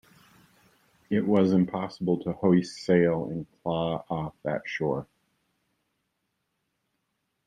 It was impossible to hoist sail and claw off that shore.